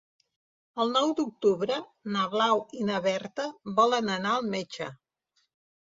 El nou d'octubre na Blau i na Berta volen anar al metge.